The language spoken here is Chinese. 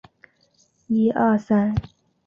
长蝠硬蜱为硬蜱科硬蜱属下的一个种。